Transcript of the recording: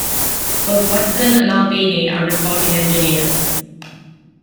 Both Weston and Albini are recording engineers.